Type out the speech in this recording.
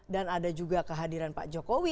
dan ada juga kehadiran pak jokowi